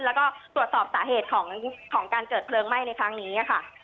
แล้วก็ตรวจสอบสาเหตุของการเกิดเพลิงไหม้ในครั้งนี้ค่ะ